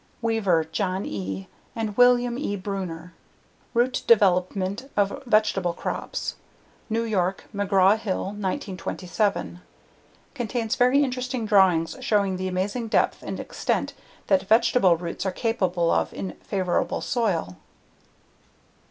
Weaver, John E., and William E. Bruner. Root Development of Vegetable Crops. New York: McGraw Hill, 1927. Contains very interesting drawings showing the amazing depth and extent that vegetable roots are capable of in favorable soil.